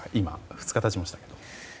２日経ちましたけど。